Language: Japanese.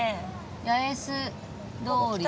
八重洲通り。